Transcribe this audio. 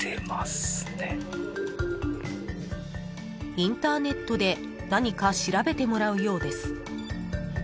［インターネットで何か調べてもらうようです］